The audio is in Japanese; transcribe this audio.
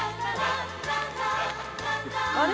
あれ？